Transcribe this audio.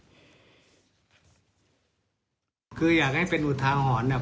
คืออยากให้เป็นอุทาหอนเนี่ย